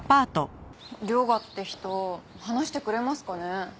涼牙って人話してくれますかね？